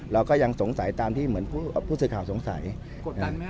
เราก็ยังสงสัยตามที่เหมือนผู้สื่อข่าวสงสัยกดดันไหม